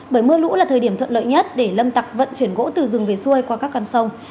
bởi mưa lũ là thời điểm thuận lợi nhất để lâm tặc vận chuyển gỗ từ rừng về xuôi qua các con sông